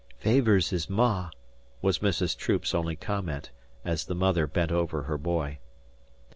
"Favours his ma," was Mrs. Troop's only comment, as the mother bent over her boy.